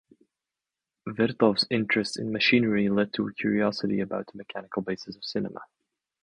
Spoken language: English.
Vertov's interest in machinery led to a curiosity about the mechanical basis of cinema.